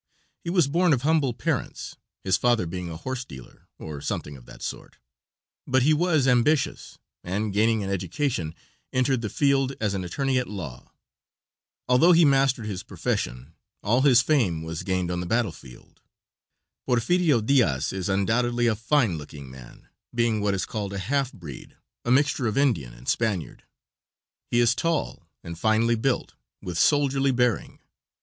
He was born of humble parents, his father being a horse dealer, or something of that sort; but he was ambitions, and gaining an education entered the field as an attorney at law. Although he mastered his profession, all his fame was gained on the battlefield. Perfirio Diaz is undoubtedly a fine looking man, being what is called a half breed, a mixture of Indian and Spaniard. He is tall and finely built, with soldierly bearing.